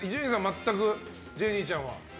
全くジェニーちゃんは？